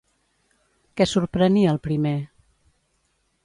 Què sorprenia el primer?